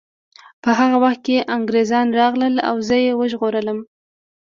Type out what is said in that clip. په هغه وخت کې انګریزان راغلل او زه یې وژغورلم